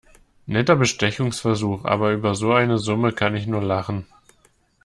Netter Bestechungsversuch, aber über so eine Summe kann ich nur lachen.